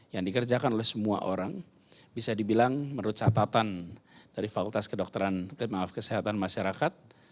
yang dikerjakan oleh semua orang bisa dibilang menurut catatan dari fakultas kedokteran maaf kesehatan masyarakat